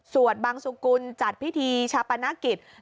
สวดบังสุกุลจัดพิธีชะปนักกิจ